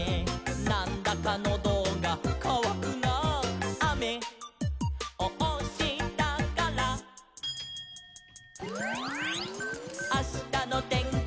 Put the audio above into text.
「『なんだかノドがかわくなあ』」「あめをおしたから」「あしたのてんきは」